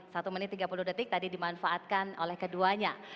satu menit tiga puluh detik tadi dimanfaatkan oleh keduanya